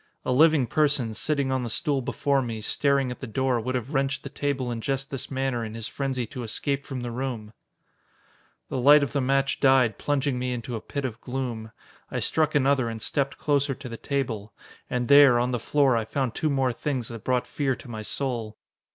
A living person, sitting on the stool before me, staring at the door, would have wrenched the table in just this manner in his frenzy to escape from the room! The light of the match died, plunging me into a pit of gloom. I struck another and stepped closer to the table. And there, on the floor, I found two more things that brought fear to my soul.